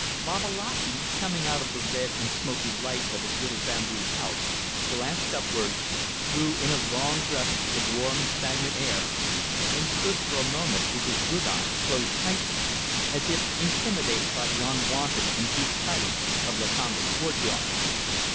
Babalatchi, coming out of the red and smoky light of his little bamboo house, glanced upwards, drew in a long breath of the warm and stagnant air, and stood for a moment with his good eye closed tightly, as if intimidated by the unwonted and deep silence of Lakamba's courtyard.